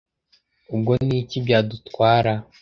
ubwo n’iki byadutwara’